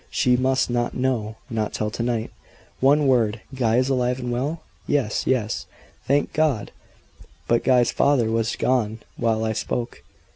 SHE MUST NOT KNOW not till tonight." "One word. Guy is alive and well?" "Yes yes." "Thank God!" But Guy's father was gone while I spoke.